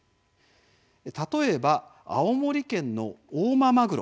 例えば青森県の「大間まぐろ」